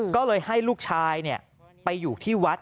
ก็เลยให้ลูกชายไปอยู่ที่วัด